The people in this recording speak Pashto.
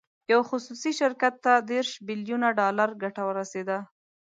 یو خصوصي شرکت ته دېرش بیلین ډالر ګټه ورسېده.